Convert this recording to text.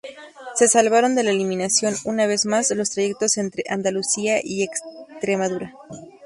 Se salvaron de la eliminación, una vez más, los trayectos entre Andalucía y Extremadura.